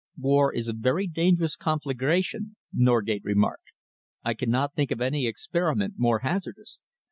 "War is a very dangerous conflagration," Norgate remarked. "I cannot think of any experiment more hazardous."